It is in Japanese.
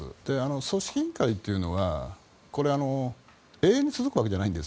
組織委員会というのは永遠に続くわけじゃないんです。